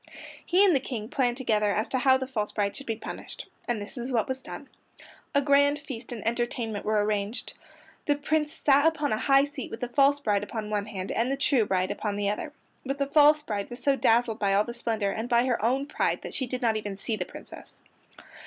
He and the King planned together as to how the false bride should be punished. And this is what was done: A grand feast and entertainment were arranged. The Prince sat upon a high seat with the false bride upon one hand and the true bride upon the other. But the false bride was so dazzled by all the splendor, and by her own pride that she did not even see the Princess.